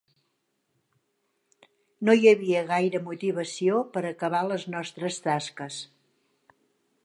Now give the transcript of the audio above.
No hi havia gaire motivació per acabar les nostres tasques.